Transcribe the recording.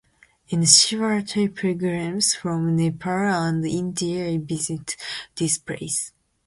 In Shivaratri pilgrims from Nepal and India visit this place.